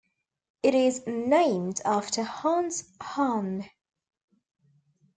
It is named after Hans Hahn.